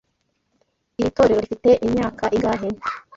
Iri torero rifite imyaka ingahe?